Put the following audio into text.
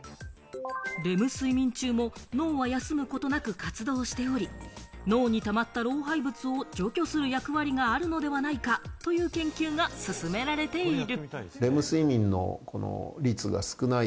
レム睡眠中も脳は休むことなく活動しており、脳に溜まった老廃物を除去する役割があるのではないかという研究が進められている。